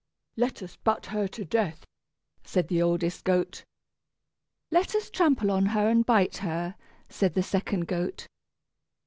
"Let us butt her to death," said the oldest goat. "Let us trample on her, and bite her," said the second goat.